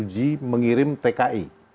g dua mengirim tki